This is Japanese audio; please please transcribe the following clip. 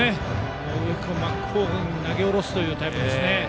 真っ向に投げ下ろすというタイプですね。